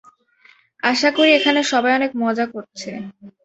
আশাকরি এখানে সবাই অনেক মজা করছে।